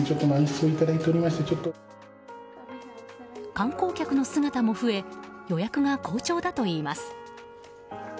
観光客の姿も増え予約が好調だといいます。